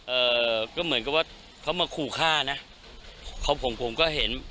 เอ่อก็เหมือนกับว่าเขามาขู่ฆ่านะเขาผมผมก็เห็น